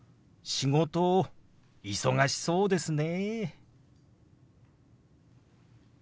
「仕事忙しそうですね」。